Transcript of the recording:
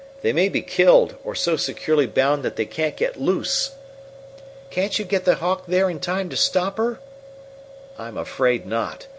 They may be killed, or so securely bound that they can't get loose!" "Can't you get the Hawk there in time to stop her?" "I'm afraid not.